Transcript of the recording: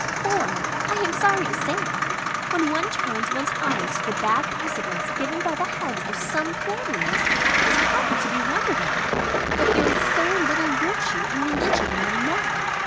For (I am sorry to say it) when one turns one's eyes to the bad precedents given by the heads of some families, it is hardly to be wondered at, that there is so little virtue and religion among men.